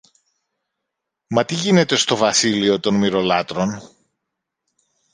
Μα τι γίνεται στο βασίλειο των Μοιρολάτρων;